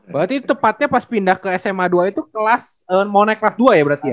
berarti tepatnya pas pindah ke sma dua itu kelas mau naik kelas dua ya berarti ya